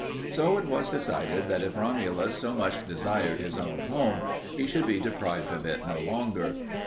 So it was decided that if Romulus so much desired his own home, he should be deprived of it no longer.